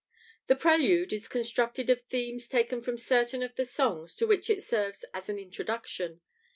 " The Prelude is constructed of themes taken from certain of the songs to which it serves as an introduction.